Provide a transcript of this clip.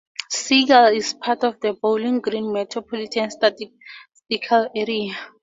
Segal is part of the Bowling Green Metropolitan Statistical Area.